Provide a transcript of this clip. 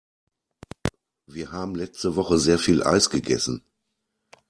Wir haben letzte Woche sehr viel Eis gegessen.